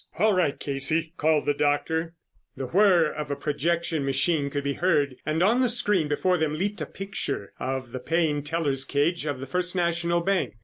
"All right, Casey," called the doctor. The whir of a projection machine could be heard and on the screen before them leaped a picture of the paying teller's cage of the First National Bank.